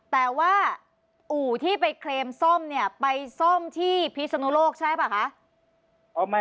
แต่ว่าอู่ที่ไปเคลมซ่อมเนี่ยไปซ่อมที่พิศนุโลกใช่ป่ะคะ